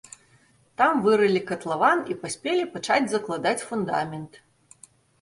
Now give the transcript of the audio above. Там вырылі катлаван і паспелі пачаць закладаць фундамент.